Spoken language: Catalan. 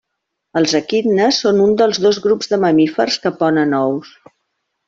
Els equidnes són un dels dos grups de mamífers que ponen ous.